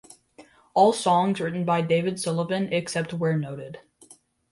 All songs written by David Sylvian except where noted.